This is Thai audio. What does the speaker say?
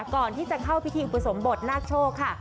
ก่อนที่จะเข้าพิธีอุปสมบทนาคโชคค่ะ